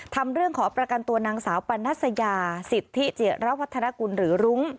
ทำเรื่องขอประกันตัวนางสาวปันนัสยาสิทธิจิระวัฒนกุลหรือรุ้ง